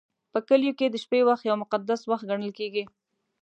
په کلیو کې د شپې وخت یو مقدس وخت ګڼل کېږي.